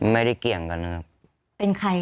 ไม่ได้เกี่ยงกันนะครับ